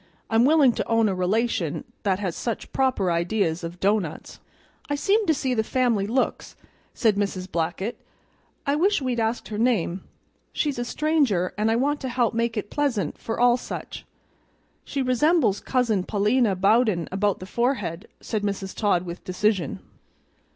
I'm willing to own a relation that has such proper ideas of doughnuts." "I seem to see the family looks," said Mrs. Blackett. "I wish we'd asked her name. She's a stranger, and I want to help make it pleasant for all such." "She resembles Cousin Pa'lina Bowden about the forehead," said Mrs. Todd with decision.